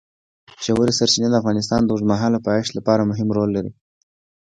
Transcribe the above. ژورې سرچینې د افغانستان د اوږدمهاله پایښت لپاره مهم رول لري.